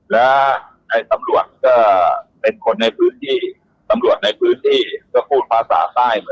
แล้วใช้สัมรวจก็เป็นคนในพื้นที่ก็พูดภาษาใต้